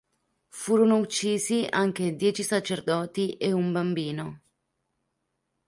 Furono uccisi anche dieci sacerdoti e un bambino.